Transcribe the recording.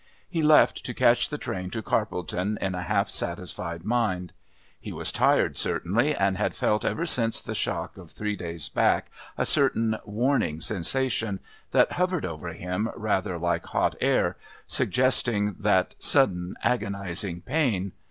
He left to catch the train to Carpledon in a self satisfied mind. He was tired, certainly, and had felt ever since the shock of three days back a certain "warning" sensation that hovered over him rather like hot air, suggesting that sudden agonizing pain...